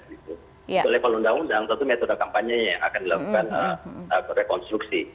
untuk mengundang undang tentu metode kampanye akan dilakukan rekonstruksi